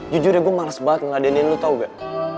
jujurnya gue males banget ngeladenin lu tau gak